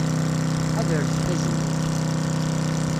Ḥadret tazemmurt.